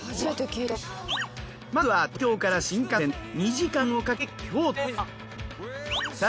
まずは東京から新幹線で２時間をかけ京都へ。